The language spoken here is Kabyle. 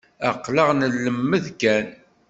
Aql-aɣ nlemmed kan.